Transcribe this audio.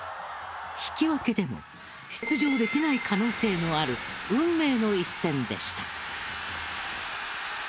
引き分けでも出場できない可能性のある運命の一戦でした。